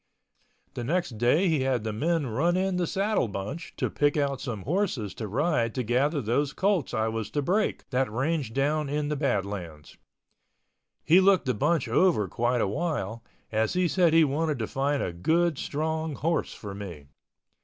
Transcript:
The next day he had the men run in the saddle bunch to pick out some horses to ride to gather those colts I was to break that ranged down in the Badlands. He looked the bunch over quite a while, as he said he wanted to find a good strong horse for me.